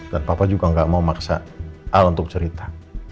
dan papa juga gak mau maksa al untuk cerita